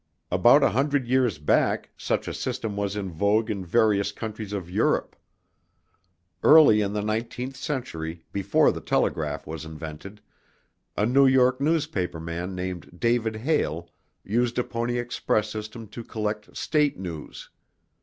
About a hundred years back, such a system was in vogue in various countries of Europe. Early in the nineteenth century before the telegraph was invented, a New York newspaper man named David Hale used a Pony Express system to collect state news.